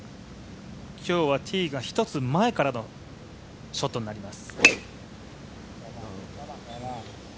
今日はティーが１つ前からのショットになります。